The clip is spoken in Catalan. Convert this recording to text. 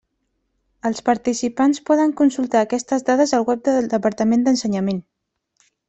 Els participants poden consultar aquestes dades al web del Departament d'Ensenyament.